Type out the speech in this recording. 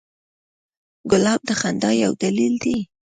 ګلاب د خندا یو دلیل دی.